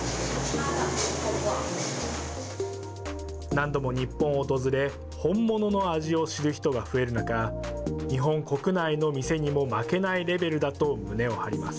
何度も日本を訪れ、本物の味を知る人が増える中、日本国内の店にも負けないレベルだと胸を張ります。